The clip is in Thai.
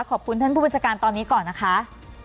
ขอบคุณท่านผู้บัญชาการตอนนี้ก่อนนะคะ